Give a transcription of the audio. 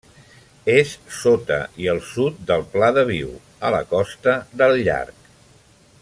És sota i al sud del Pla de Viu, a la Costa del Llarg.